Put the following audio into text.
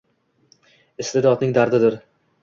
Iste’dodning dardidir.